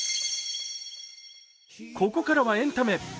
ここからはエンタメ。